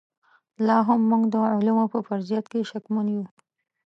لاهم موږ د علومو په فرضیت کې شکمن یو.